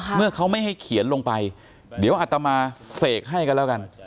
เมื่อเขาไม่ให้เขียนลงไปเดี๋ยวอัตมาเสกให้กันแล้วกัน